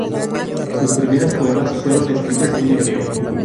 Sus primeros poemas fueron escritos en hebreo.